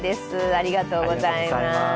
ありがとうございます。